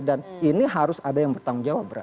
dan ini harus ada yang bertanggung jawab